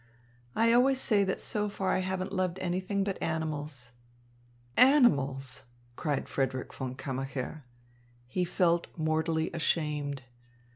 I always say that so far I haven't loved anything but animals." "Animals!" cried Frederick von Kammacher. He felt mortally ashamed.